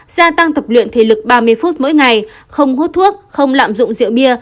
gia tăng tập luyện thể lực ba mươi phút mỗi ngày không hút thuốc không lạm dụng rượu bia